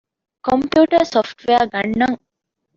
ކޮމްޕިއުޓަރ ސޮފްޓްވެއަރ ގަންނަން